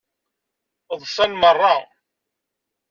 Ḍṣan meṛṛa.